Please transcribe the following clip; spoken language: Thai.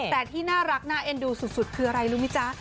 แต่ที่น่ารักน่าเอ็นดูสุดคืออะไรรู้ไหมจ๊ะ